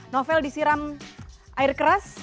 novel disiram air keras